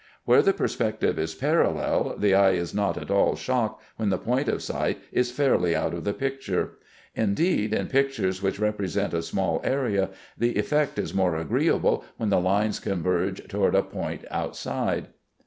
Where the perspective is parallel, the eye is not at all shocked when the point of sight is fairly out of the picture. Indeed, in pictures which represent a small area, the effect is more agreeable when the lines converge toward a point outside.